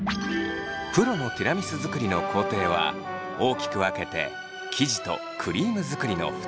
プロのティラミス作りの工程は大きく分けて生地とクリーム作りの２つ。